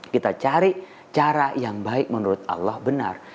kita cari cara yang baik menurut allah benar